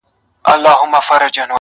بیا به خامخا یوه توره بلا وي,